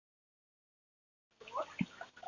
น้ำไหลแรงมากค่ะ